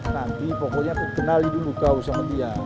nanti pokoknya aku kenalin dulu kau sama dia